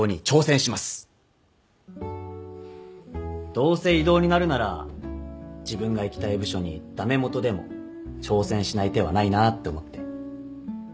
どうせ異動になるなら自分が行きたい部署に駄目もとでも挑戦しない手はないなって思って。